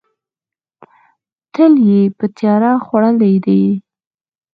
تل یې په تیاره خوړلې ده.